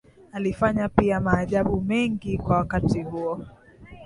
Alifanya pia maajabu mengi kwa wakati huo